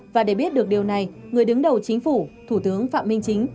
và để biết được điều này người đứng đầu chính phủ thủ tướng phạm minh chính